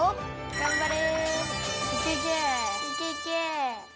頑張れ。